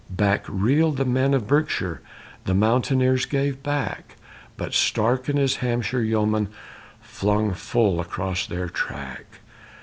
Back reeled the men of Berkshire, The mountaineers gave back, But Stark and his Hampshire yeomen Flung full across their track.